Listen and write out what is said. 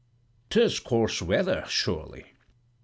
'tis coarse weather, surely."